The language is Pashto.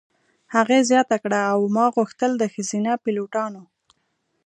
هغې زیاته کړه: "او ما غوښتل د ښځینه پیلوټانو.